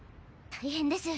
大変です！